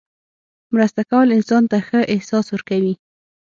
مرسته کول انسان ته ښه احساس ورکوي.